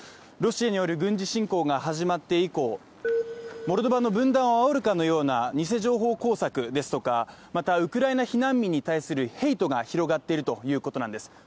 ロシアによる軍事侵攻が始まって以降モルドバの分断をあおるかのような偽情報工作ですとかまたウクライナ避難民に対するヘイトが広がっているということなんです。